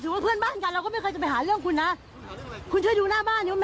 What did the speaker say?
ขอแท่ลวมก็ไปแจ้งถาม